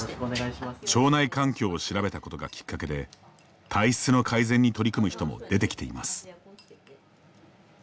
腸内環境を調べたことがきっかけで体質の改善に取り組む人も出てきています。